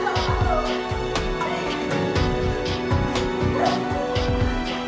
aku tidak mau